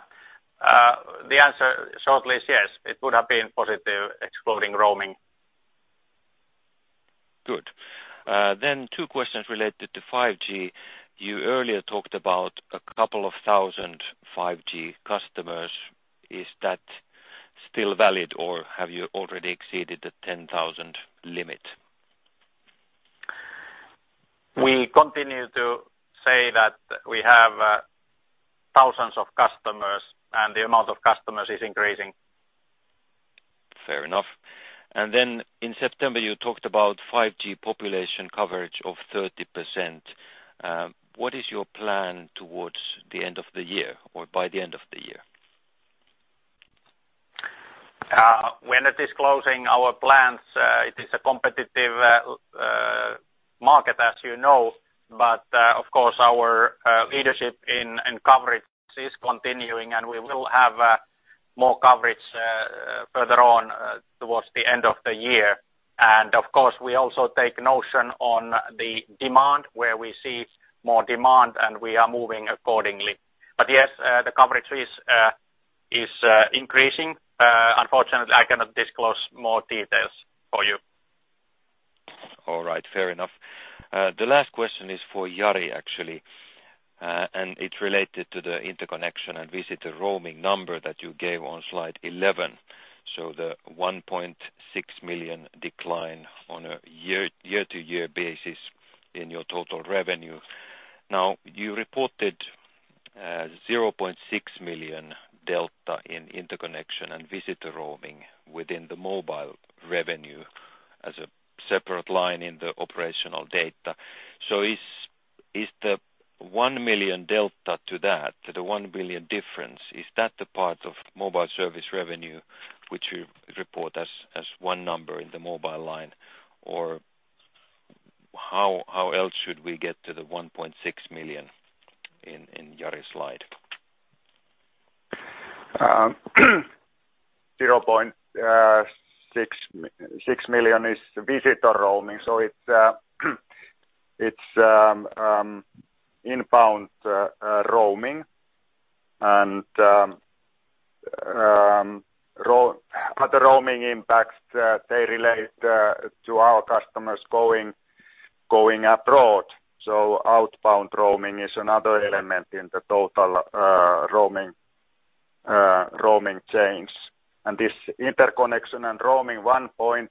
The answer shortly is yes, it would have been positive excluding roaming. Good. Two questions related to 5G. You earlier talked about a couple of thousand 5G customers. Is that still valid, or have you already exceeded the 10,000 limit? We continue to say that we have thousands of customers and the amount of customers is increasing. Fair enough. Then in September, you talked about 5G population coverage of 30%. What is your plan towards the end of the year or by the end of the year? When disclosing our plans, it is a competitive market, as you know. Of course, our leadership in coverage is continuing, and we will have more coverage further on towards the end of the year. Of course, we also take notion on the demand, where we see more demand, and we are moving accordingly. Yes, the coverage is increasing. Unfortunately, I cannot disclose more details for you. All right. Fair enough. The last question is for Jari, actually, and it's related to the interconnection and visitor roaming number that you gave on slide 11. The 1.6 million decline on a year-to-year basis in your total revenue. Now, you reported 0.6 million delta in interconnection and visitor roaming within the mobile revenue as a separate line in the operational data. Is the 1 million delta to that, to the 1 billion difference, is that the part of mobile service revenue, which you report as one number in the mobile line, or how else should we get to the 1.6 million in Jari's slide? 0.6 million is visitor roaming. It's inbound roaming and other roaming impacts, they relate to our customers going abroad. Outbound roaming is another element in the total roaming change. This interconnection and roaming 1.6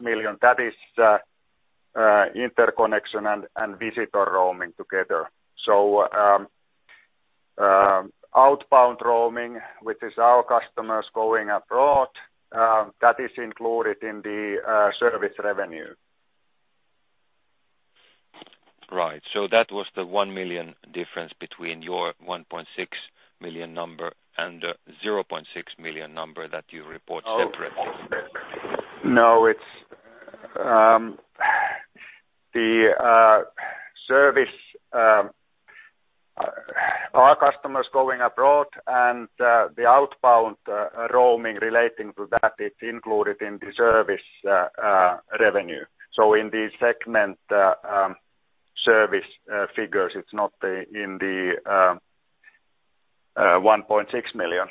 million, that is interconnection and visitor roaming together. Outbound roaming, which is our customers going abroad, that is included in the service revenue. Right. That was the 1 million difference between your 1.6 million number and 0.6 million number that you report separately. It's the service our customers going abroad and, the outbound roaming relating to that, it's included in the service revenue. In the segment service figures, it's not in the EUR 1.6 million.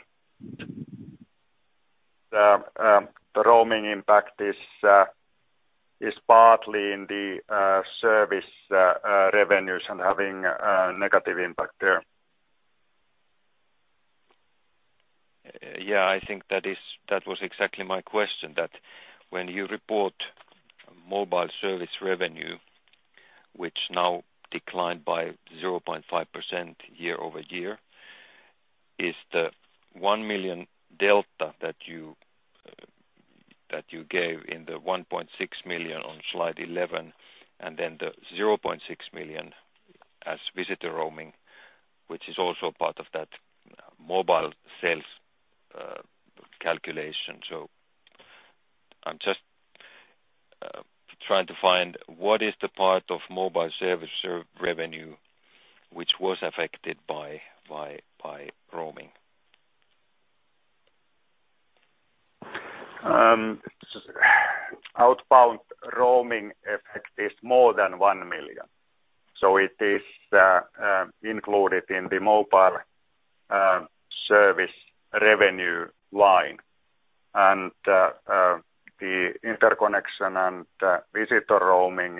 The roaming impact is partly in the service revenues and having a negative impact there. Yeah, I think that was exactly my question, that when you report mobile service revenue, which now declined by 0.5% year-over-year, is the 1 million delta that you gave in the 1.6 million on slide 11, and then the 0.6 million as visitor roaming, which is also part of that mobile sales calculation. I'm just trying to find what is the part of mobile service revenue, which was affected by roaming. Outbound roaming effect is more than 1 million. It is included in the mobile service revenue line. The interconnection and visitor roaming,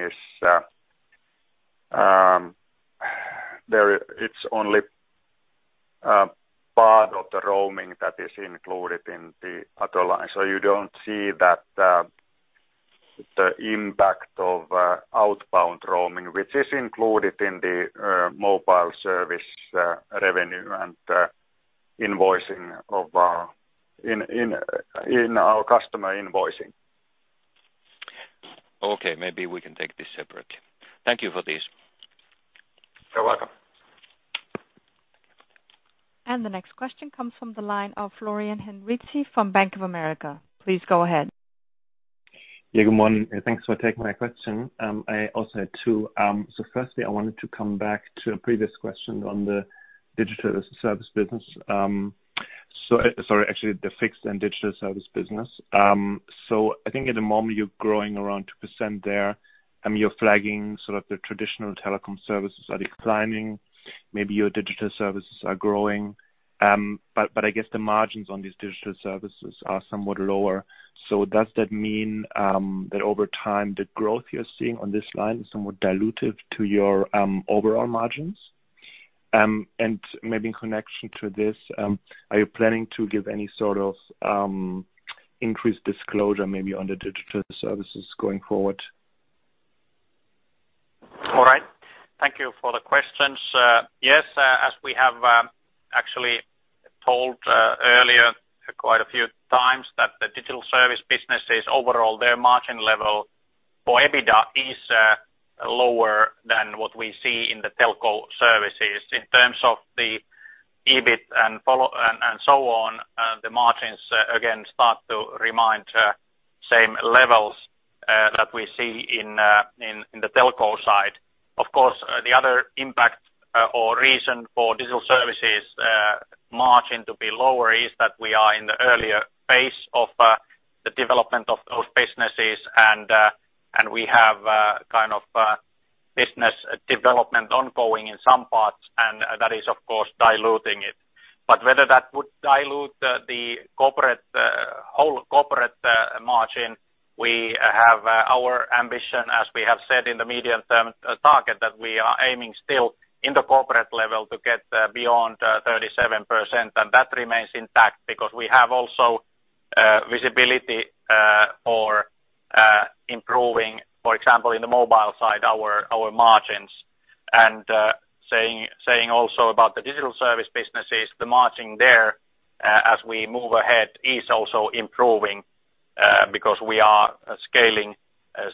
it's only part of the roaming that is included in the other line. You don't see that the impact of outbound roaming, which is included in the mobile service revenue and in our customer invoicing. Okay. Maybe we can take this separate. Thank you for this. You're welcome. The next question comes from the line of Florian Henritzi from Bank of America. Please go ahead. Yeah. Good morning. Thanks for taking my question. I also had two. Firstly, I wanted to come back to a previous question on the digital service business. Sorry, actually the fixed and digital service business. I think at the moment you're growing around 2% there. You're flagging sort of the traditional telecom services are declining. Maybe your digital services are growing. I guess the margins on these digital services are somewhat lower. Does that mean that over time the growth you're seeing on this line is somewhat dilutive to your overall margins? Maybe in connection to this, are you planning to give any sort of increased disclosure maybe on the digital services going forward? All right. Thank you for the questions. Yes, as we have actually told earlier quite a few times that the digital service business is overall their margin level for EBITDA is lower than what we see in the telco services in terms of the EBIT and so on. The margins again start to remind same levels that we see in the telco side. Of course, the other impact or reason for digital services margin to be lower is that we are in the earlier phase of the development of those businesses and we have business development ongoing in some parts, and that is of course diluting it. Whether that would dilute the whole corporate margin, we have our ambition, as we have said in the medium term target, that we are aiming still in the corporate level to get beyond 37%. That remains intact because we have also visibility, or improving, for example, in the mobile side, our margins. Saying also about the digital service businesses, the margin there, as we move ahead, is also improving, because we are scaling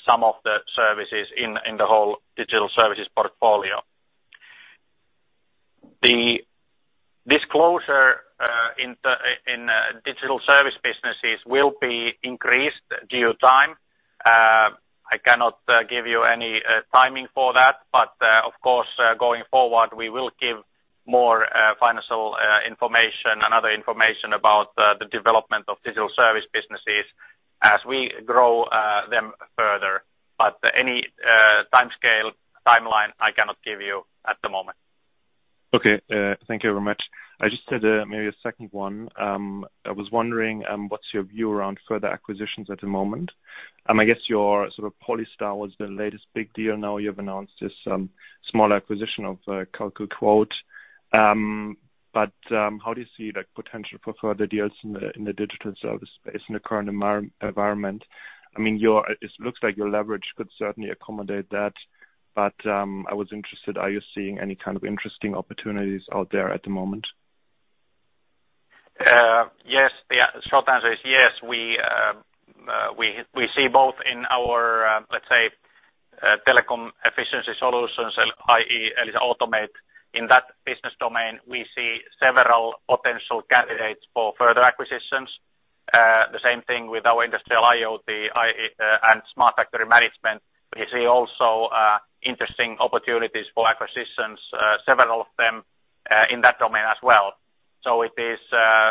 some of the services in the whole digital services portfolio. The disclosure in digital service businesses will be increased due time. I cannot give you any timing for that, but of course, going forward, we will give more financial information and other information about the development of digital service businesses as we grow them further. Any timescale, timeline, I cannot give you at the moment. Okay. Thank you very much. I just had maybe a second one. I was wondering, what's your view around further acquisitions at the moment? I guess your sort of Polystar was the latest big deal. Now you've announced this small acquisition of CalcuQuote. How do you see potential for further deals in the digital service space in the current environment? It looks like your leverage could certainly accommodate that, but, I was interested, are you seeing any kind of interesting opportunities out there at the moment? Yes. The short answer is yes. We see both in our, let's say, telecom efficiency solutions, i.e. Elisa Automate. In that business domain, we see several potential candidates for further acquisitions. The same thing with our industrial IoT and smart factory management. We see also interesting opportunities for acquisitions, several of them in that domain as well. It is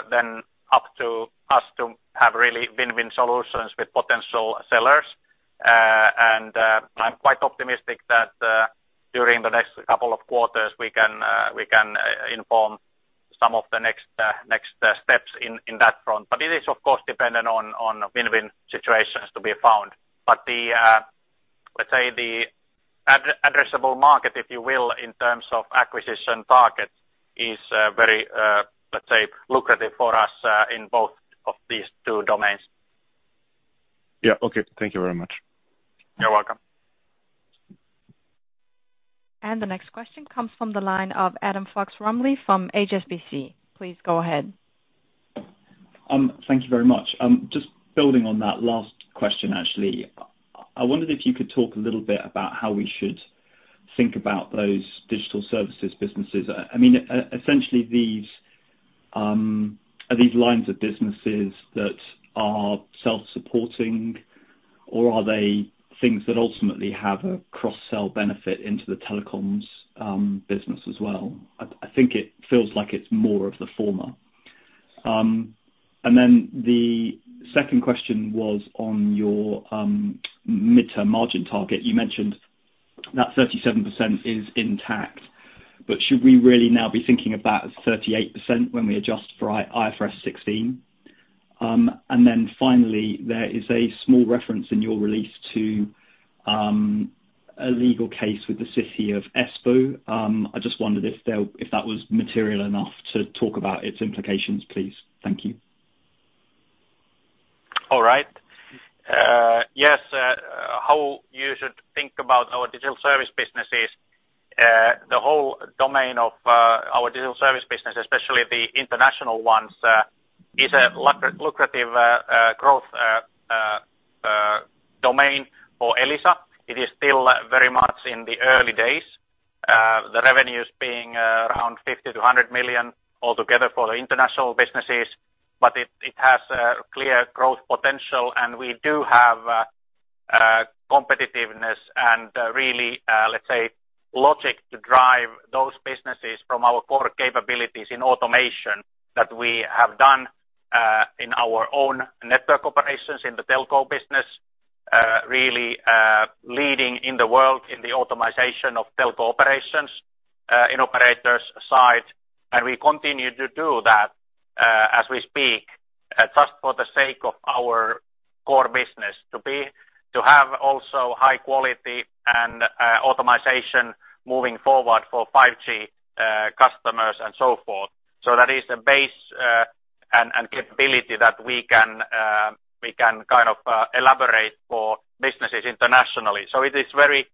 then up to us to have really win-win solutions with potential sellers. I'm quite optimistic that during the next couple of quarters, we can inform some of the next steps in that front. It is, of course, dependent on win-win situations to be found. Let's say the addressable market, if you will, in terms of acquisition targets, is very lucrative for us in both of these two domains. Yeah. Okay. Thank you very much. You're welcome. The next question comes from the line of Adam Fox-Rumley from HSBC. Please go ahead. Thank you very much. Just building on that last question, actually. I wondered if you could talk a little bit about how we should think about those digital services businesses. Essentially, are these lines of businesses that are self-supporting, or are they things that ultimately have a cross-sell benefit into the telecoms business as well? I think it feels like it's more of the former. The second question was on your midterm margin target. You mentioned that 37% is intact, but should we really now be thinking about 38% when we adjust for IFRS 16? Finally, there is a small reference in your release to a legal case with the City of Espoo. I just wondered if that was material enough to talk about its implications, please. Thank you. All right. Yes. How you should think about our digital service business is, the whole domain of our digital service business, especially the international ones, is a lucrative growth domain for Elisa. It is still very much in the early days. The revenue is being around 50 million-100 million altogether for the international businesses. It has a clear growth potential. We do have competitiveness and really, let's say, logic to drive those businesses from our core capabilities in automation that we have done in our own network operations in the telco business, really leading in the world in the automation of telco operations in operators' side. We continue to do that as we speak, just for the sake of our core business, to have also high quality and automation moving forward for 5G customers and so forth. That is the base and capability that we can kind of elaborate for businesses internationally. It is very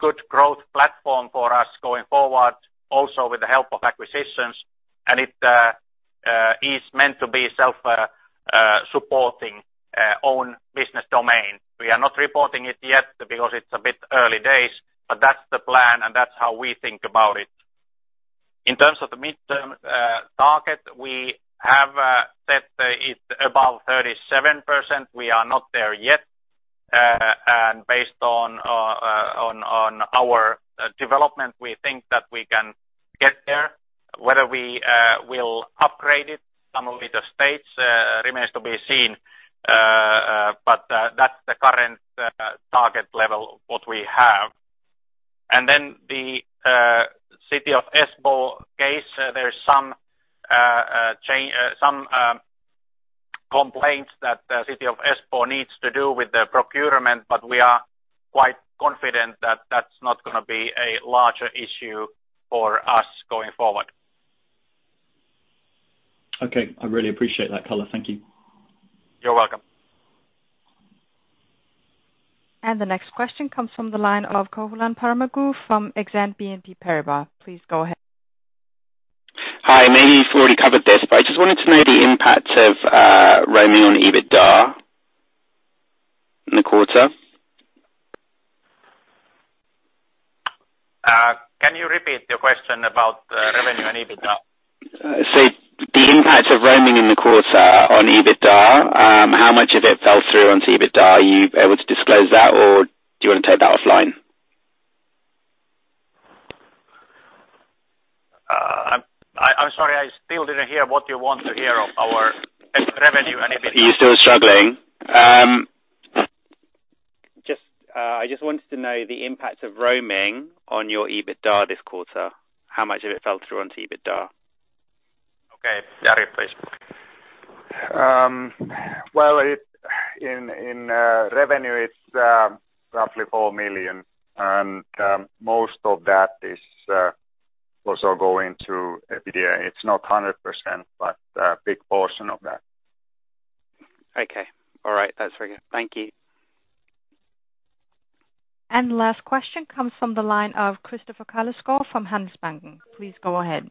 good growth platform for us going forward, also with the help of acquisitions, and it is meant to be self-supporting own business domain. We are not reporting it yet because it's a bit early days, but that's the plan and that's how we think about it. In terms of the midterm target, we have set it above 37%. We are not there yet. Based on our development, we think that we can get there. Whether we will upgrade it some of the stages remains to be seen. That's the current target level, what we have. The City of Espoo case, there's some complaints that City of Espoo needs to do with the procurement, but we are quite confident that that's not going to be a larger issue for us going forward. Okay. I really appreciate that color. Thank you. You're welcome. The next question comes from the line of Kohulan Paramaguru from Exane BNP Paribas. Please go ahead. Hi. Maybe you've already covered this, but I just wanted to know the impact of roaming on EBITDA in the quarter. Can you repeat the question about revenue and EBITDA? The impact of roaming in the quarter on EBITDA, how much of it fell through onto EBITDA? Are you able to disclose that, or do you want to take that offline? I'm sorry. I still didn't hear what you want to hear of our revenue and EBITDA. Are you still struggling? I just wanted to know the impact of roaming on your EBITDA this quarter. How much of it fell through onto EBITDA? Okay. Jari, please. Well, in revenue, it's roughly 4 million, and most of that is also going to EBITDA. It's not 100%, but a big portion of that. Okay. All right. That's very good. Thank you. Last question comes from the line of Christopher Kalliszkow from Handelsbanken. Please go ahead.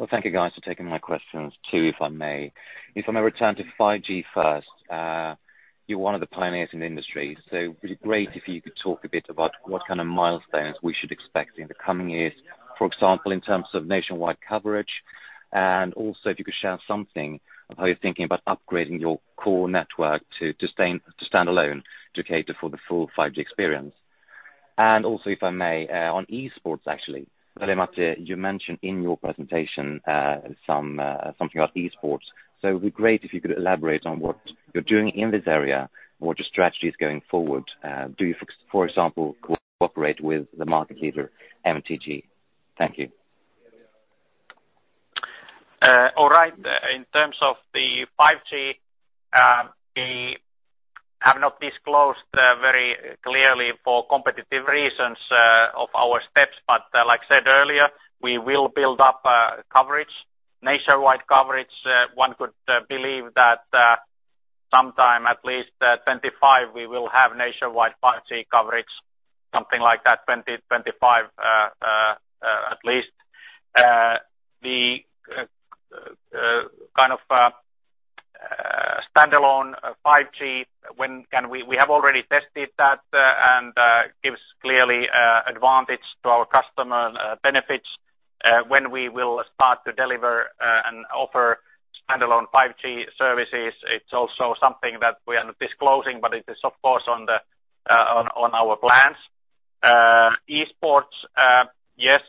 Well, thank you guys for taking my questions too, if I may. If I may return to 5G first. You're one of the pioneers in the industry. It would be great if you could talk a bit about what kind of milestones we should expect in the coming years. For example, in terms of nationwide coverage. Also, if you could share something of how you're thinking about upgrading your core network to standalone to cater for the full 5G experience. Also, if I may, on esports actually. Veli-Matti, you mentioned in your presentation something about esports. It'd be great if you could elaborate on what you're doing in this area and what your strategy is going forward. Do you, for example, cooperate with the market leader, MTG? Thank you. All right. In terms of the 5G, we have not disclosed very clearly for competitive reasons, of our steps. Like I said earlier, we will build up coverage, nationwide coverage. One could believe that sometime at least 2025, we will have nationwide 5G coverage, something like that, 2025, at least. The kind of standalone 5G, we have already tested that, and gives clearly advantage to our customer benefits. When we will start to deliver, and offer standalone 5G services, it's also something that we are not disclosing, but it is of course on our plans. Esports, yes,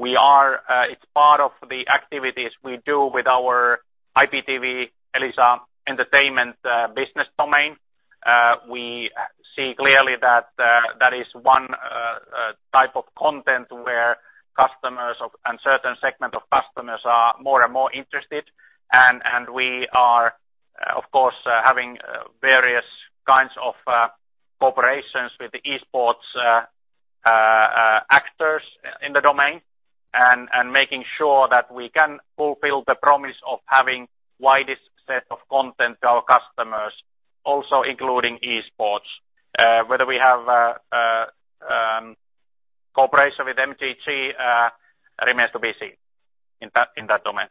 it's part of the activities we do with our IPTV Elisa entertainment business domain. We see clearly that is one type of content where customers and certain segment of customers are more and more interested. We are, of course, having various kinds of cooperation with the esports actors in the domain, and making sure that we can fulfill the promise of having widest set of content to our customers, also including esports. Whether we have cooperation with MTG remains to be seen in that domain.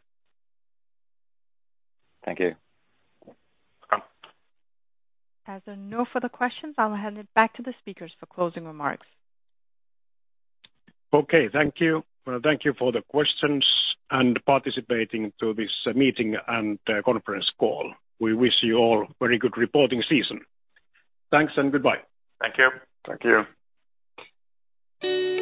Thank you. Welcome. As there are no further questions, I'll hand it back to the speakers for closing remarks. Okay. Thank you. Well, thank you for the questions and participating to this meeting and conference call. We wish you all very good reporting season. Thanks and goodbye. Thank you. Thank you.